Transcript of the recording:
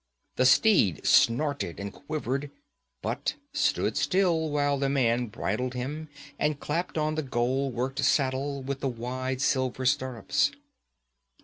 The steed snorted and quivered, but stood still while the man bridled him and clapped on the gold worked saddle, with the wide silver stirrups.